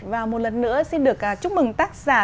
và một lần nữa xin được chúc mừng tác giả